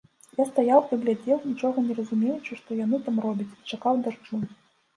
Я стаяў і глядзеў, нічога не разумеючы, што яны там робяць, і чакаў дажджу.